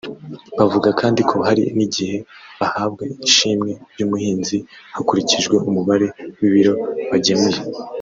Bavuga kandi ko hari n’igihe bahabwa ishimwe ry’umuhinzi hakurikijwe umubare w’ibiro bagemuye